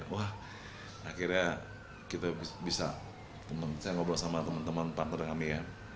wah akhirnya kita bisa saya ngobrol sama teman teman partner kami ya